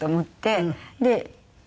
で。